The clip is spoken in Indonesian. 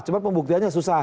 cuma pembuktiannya susah